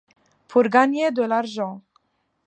Pour gagner de l’argent.